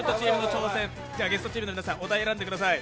ゲストチームの皆さん、お題を選んでください。